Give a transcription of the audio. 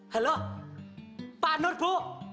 halo pak nur bu